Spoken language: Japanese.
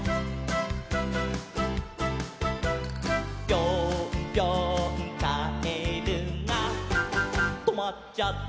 「ぴょんぴょんカエルがとまっちゃった」